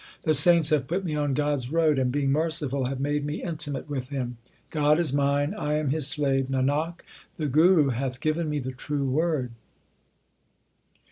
The saints have put me on God s road, And being merciful have made me intimate with Him. God is mine ; I am His slave ; Nanak, the Guru hath given me the true Word.